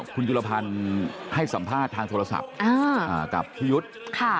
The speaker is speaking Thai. คุณจุลพันธ์ให้สัมภาษณ์ทางโทรศัพท์กับพี่ยุทธ์